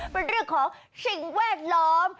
เป็นเรื่องของสิ่งแวดล้อม